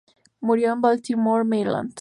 Murió en Baltimore, Maryland.